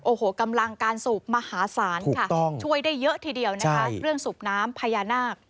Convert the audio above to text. โอ้โหกำลังการสูบมหาศาลค่ะช่วยได้เยอะทีเดียวนะคะเรื่องสูบน้ำพญานาค